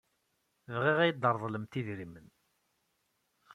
Bɣiɣ ad iyi-d-treḍlemt idrimen.